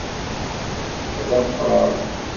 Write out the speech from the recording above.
Ḥdaqreɣ.